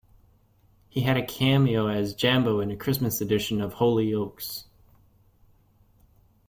He had a cameo as Jambo in a Christmas edition of "Hollyoaks".